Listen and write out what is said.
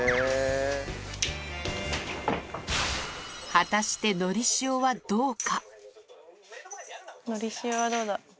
果たして、のりしおはどうか。